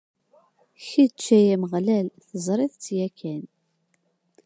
Kečč, ay Ameɣlal, teẓriḍ-t yakan.